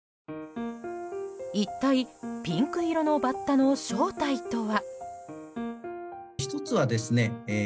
一体ピンク色のバッタの正体とは？